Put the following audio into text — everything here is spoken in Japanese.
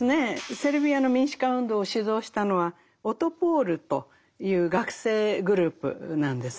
セルビアの民主化運動を主導したのは「オトポール！」という学生グループなんですね。